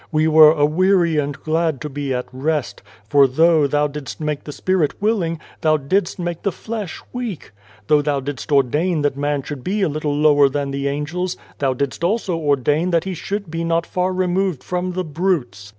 We were a weary and glad to be at rest ; for though Thou didst make the spirit willing, Thou didst make the flesh weak ; though Thou didst ordain that man should be a little lower than the angels, Thou didst also ordain that he should be not far removed from the brutes.